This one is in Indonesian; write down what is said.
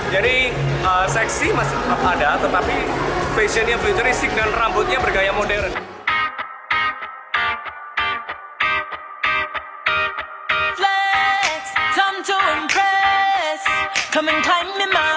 jadi seksi masih ada tetapi fashionnya futuristik dan rambutnya bergaya modern